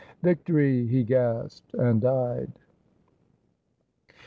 ' Victory !' he gasped, and died.